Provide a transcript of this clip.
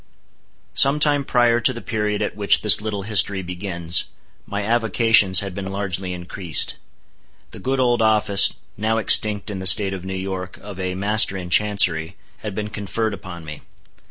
Some time prior to the period at which this little history begins, my avocations had been largely increased. The good old office, now extinct in the State of New York, of a Master in Chancery, had been conferred upon me.